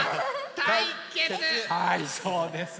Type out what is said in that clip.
はいそうですね。